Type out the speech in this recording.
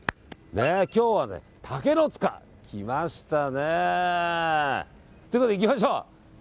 今日はね、竹の塚！来ましたね。ということで、行きましょう。